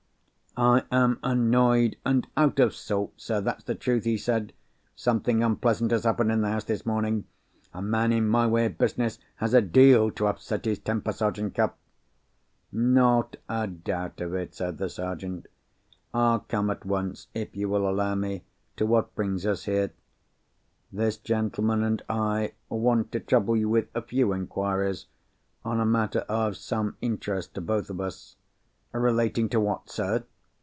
"I am annoyed and out of sorts, sir—that's the truth," he said. "Something unpleasant has happened in the house this morning. A man in my way of business has a deal to upset his temper, Sergeant Cuff." "Not a doubt of it," said the Sergeant. "I'll come at once, if you will allow me, to what brings us here. This gentleman and I want to trouble you with a few inquiries, on a matter of some interest to both of us." "Relating to what, sir?"